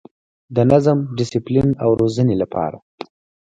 د نظم، ډسپلین او روزنې لپاره